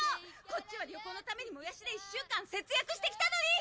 こっちは旅行のためにモヤシで１週間節約してきたのに！